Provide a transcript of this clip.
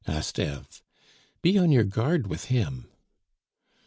asked Eve. "Be on your guard with him."